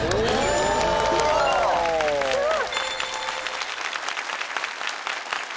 すごい！